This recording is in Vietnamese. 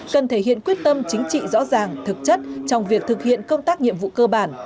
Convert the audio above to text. cần thể hiện quyết tâm chính trị rõ ràng thực chất trong việc thực hiện công tác nhiệm vụ cơ bản